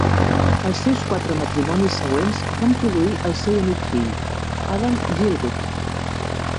Els seus quatre matrimonis següents van produir el seu únic fill, Adam Gielgud.